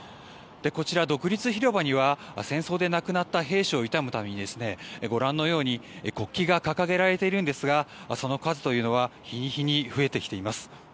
こちら、独立広場には戦争で亡くなった兵士を悼むためにご覧のように国旗が掲げられているんですがその数というのは日に日に増えてきています。